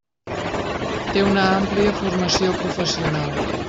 Té una àmplia formació professional.